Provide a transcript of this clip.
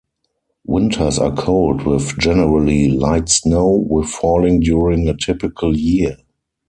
Winters are cold with generally light snow, with falling during a typical year.